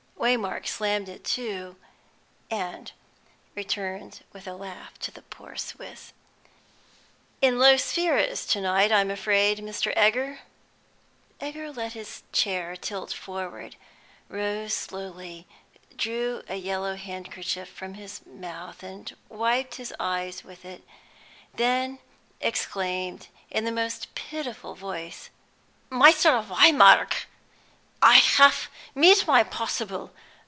Waymark slammed it to, and turned with a laugh to the poor Swiss. "In low spirits to night, I'm afraid, Mr. Egger?" Egger let his chair tilt forward, rose slowly, drew a yellow handkerchief from his mouth and wiped his eyes with it, then exclaimed, in the most pitiful voice "Mr. Waymark, I have made my possible!